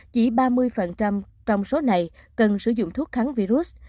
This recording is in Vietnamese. chỉ ba mươi trong số này cần sử dụng thuốc kháng virus